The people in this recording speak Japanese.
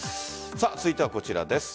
続いてはこちらです。